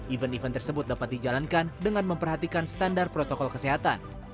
event event tersebut dapat dijalankan dengan memperhatikan standar protokol kesehatan